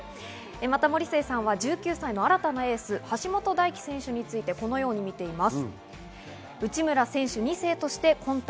また森末さんは１９歳の新たなエース・橋本大輝選手について、このように見ています。